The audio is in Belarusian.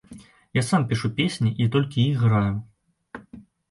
Я сам пішу песні і толькі іх граю.